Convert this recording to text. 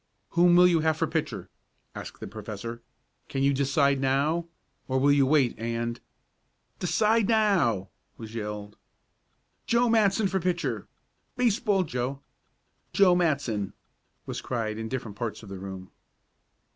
"Whom will you have for pitcher?" asked the Professor. "Can you decide now, or will you wait and " "Decide now!" was yelled. "Joe Matson for pitcher! Baseball Joe. Joe Matson!" was cried in different parts of the room.